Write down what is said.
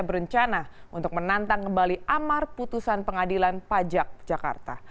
berencana untuk menantang kembali amar putusan pengadilan pajak jakarta